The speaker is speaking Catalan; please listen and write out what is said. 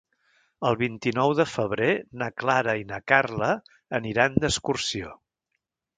El vint-i-nou de febrer na Clara i na Carla aniran d'excursió.